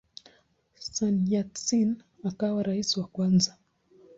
Sun Yat-sen akawa rais wa kwanza.